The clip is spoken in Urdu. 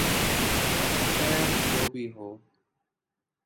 خیر جو بھی ہو